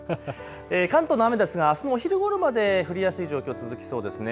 関東の雨ですがあすのお昼ごろまで降りやすい状況、続きそうですね。